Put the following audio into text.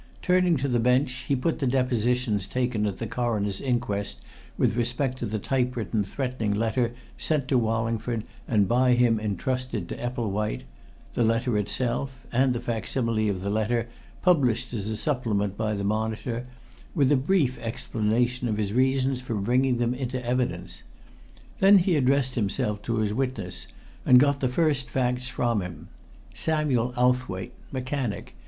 Turning to the bench, he put in the depositions taken at the Coroner's inquest with respect to the typewritten threatening letter sent to Wallingford and by him entrusted to Epplewhite; the letter itself, and the facsimile of the letter published as a supplement by the Monitor, with a brief explanation of his reasons for bringing them into evidence. Then he addressed himself to his witness and got the first facts from him Samuel Owthwaite. Mechanic.